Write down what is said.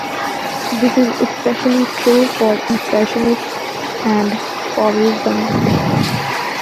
This is especially true for Impressionists and Fauvism.